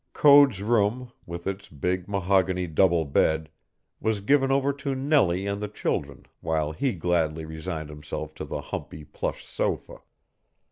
Code's room, with its big mahogany double bed, was given over to Nellie and the children while he gladly resigned himself to the humpy plush sofa.